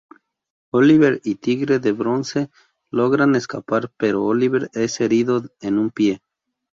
Oliver y Tigre de Bronce logran escapar pero Oliver es herido en un pie.